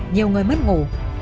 nhiều người mất ngủ